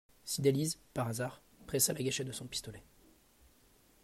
Cydalise, par hasard, pressa la gâchette de son pistolet.